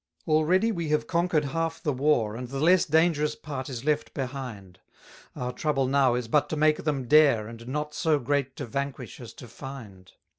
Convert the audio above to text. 303 Already we have conquer'd half the war, And the less dangerous part is left behind: Our trouble now is but to make them dare, And not so great to vanquish as to find.